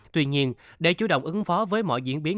tuy nhiên để chủ động ứng phó với mọi diễn biến